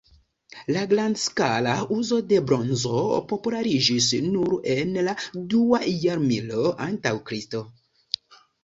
La grandskala uzo de bronzo populariĝis nur en la dua jarmilo antaŭ Kristo.